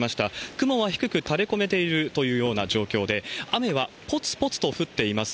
雲は低く垂れこめているというような状況で、雨はぽつぽつと降っています。